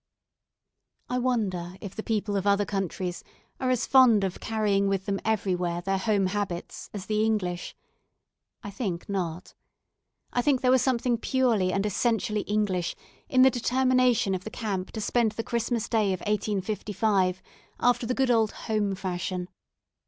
I wonder if the people of other countries are as fond of carrying with them everywhere their home habits as the English. I think not. I think there was something purely and essentially English in the determination of the camp to spend the Christmas day of 1855 after the good old "home" fashion.